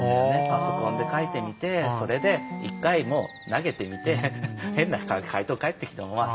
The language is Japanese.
パソコンで書いてみてそれで一回もう投げてみて変な回答が返ってきてもまあそれでいいやと。